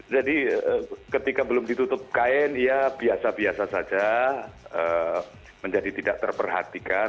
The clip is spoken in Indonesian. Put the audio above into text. jadi ketika belum ditutup kain ya biasa biasa saja menjadi tidak terperhatikan